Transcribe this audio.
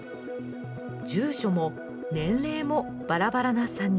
住所も年齢もバラバラな３人。